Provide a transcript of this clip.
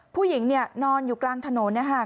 ผู้หญิงเนี่ยนอนอยู่กลางถนนนะคะ